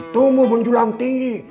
tumbuh menjulang tinggi